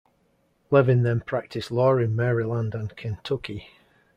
Levin then practiced law in Maryland and Kentucky.